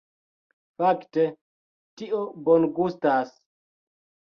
Fakte, tio bongustas